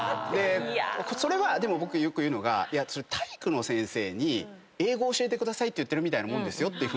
それはでも僕よく言うのがそれ体育の先生に英語を教えてくださいって言ってるみたいなもんですよって。